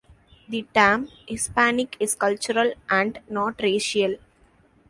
The term "Hispanic" is cultural and not racial.